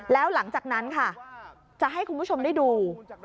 แล้วหลังจากนั้นค่ะจะให้คุณผู้ชมได้ดู